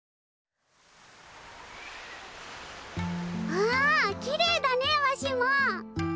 わあきれいだねわしも。